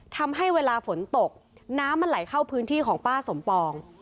ทำให้เวลาฝนตกน้ำมันไหลเข้าพื้นที่ของป้าสมปอง